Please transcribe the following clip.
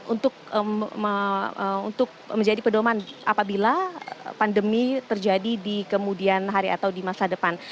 untuk menjadi pedoman apabila pandemi terjadi di kemudian hari atau di masa depan